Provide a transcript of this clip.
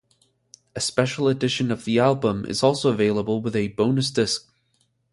A special edition of the album is also available with a bonus disc.